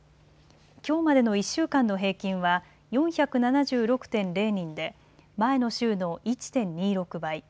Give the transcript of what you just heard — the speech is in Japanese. きょうまでの１週間の平均は４７６．０人で前の週の１．２６倍。